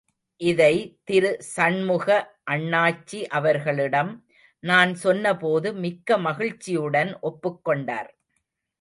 இதை திரு சண்முக அண்ணாச்சி அவர்களிடம் நான் சொன்னபோது மிக்க மகிழ்ச்சியுடன் ஒப்புக் கொண்டார்.